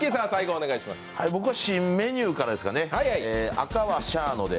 僕は新メニューからですかね。